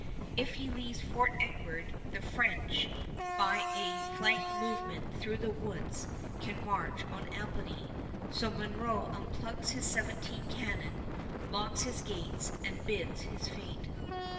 If he leaves Fort Edward, the French by a flank movement through the woods can march on Albany, so Monro unplugs his seventeen cannon, locks his gates, and bides his fate.